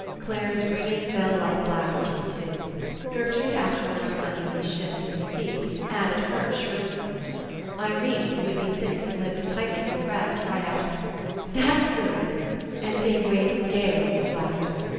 Clare's ring ing bell like laugh joined his. Gertrude after another uneasy shift in her seat added her shrill one. Irene, who had been sitting with lips tightly compressed, cried out: "That's good!" and gave way to gales of laughter.